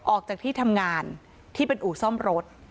ออกจากที่ทำงานที่เป็นอู่ซ่อมรถ